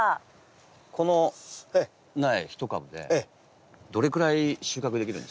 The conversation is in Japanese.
この苗１株でどれくらい収穫できるんですか？